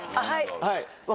はい。